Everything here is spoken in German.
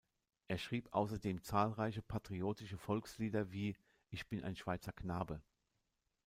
Er schrieb ausserdem zahlreiche patriotische Volkslieder wie "Ich bin ein Schweizer Knabe".